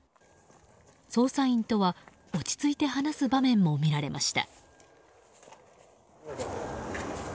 捜査員とは、落ち着いて話す場面も見られました。